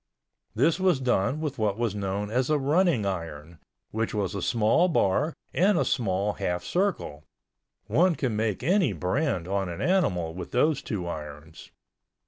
This was done with what was known as a running iron, which was a small bar and a small half circle—one can make any brand on an animal with those two irons.